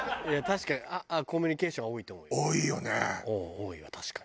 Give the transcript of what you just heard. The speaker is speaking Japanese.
多いわ確かに。